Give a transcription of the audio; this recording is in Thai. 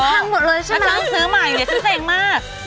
หังหมดเลยเธอแล้วต้องซื้อใหม่ซึ่งเส้นมาก